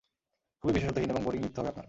খুবই বিশেষত্বহীন এবং বোরিং মৃত্যু হবে আপনার!